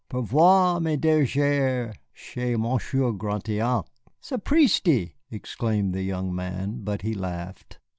Pouvez vous me diriger chez Monsieur Gratiot?" "Sapristi!" exclaimed the young man, but he laughed.